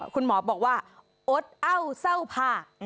คุณหมอบอกว่าอดเอ้าเศร้าผ้า